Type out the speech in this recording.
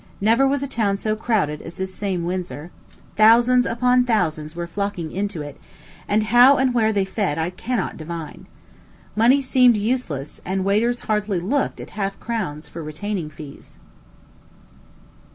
Never was a town so crowded as this same Windsor. Thousands upon thousands were flocking into it; and how and where they fed I cannot divine. Money seemed useless, and waiters hardly looked at half crowns for retaining fees.